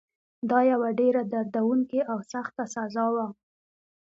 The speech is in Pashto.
دا یوه ډېره دردونکې او سخته سزا وه.